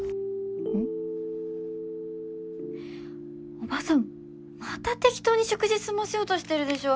叔母さんまた適当に食事済ませようとしてるでしょ？